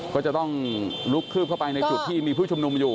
ก็จะต้องลุกคืบเข้าไปในจุดที่มีผู้ชุมนุมอยู่